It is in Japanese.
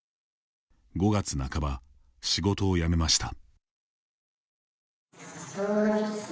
５月半ば、仕事を辞めました。